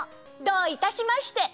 どういたしまして！